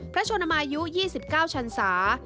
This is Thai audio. ชนมายุ๒๙ชันศา